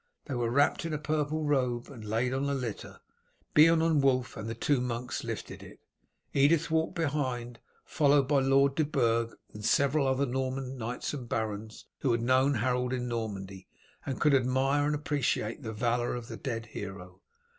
They were wrapped in a purple robe, and laid on a litter. Beorn and Wulf and the two monks lifted it; Edith walked behind, followed by Lord de Burg and several other Norman knights and barons who had known Harold in Normandy, and could admire and appreciate the valour of the dead hero.